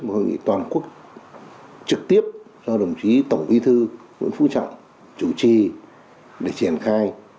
hội nghị toàn quốc trực tiếp do đồng chí tổng bí thư nguyễn phú trọng chủ trì để triển khai